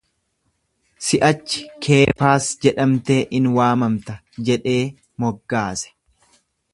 Si'achi Keefaas jedhamtee in waamamta jedhee moggaase.